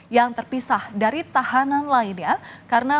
yang terpisah dari tahanan lainnya karena